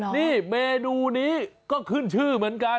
นี่เมนูนี้ก็ขึ้นชื่อเหมือนกัน